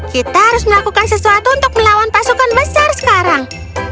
kita harus melakukan sesuatu untuk melawan pasukan besar sekarang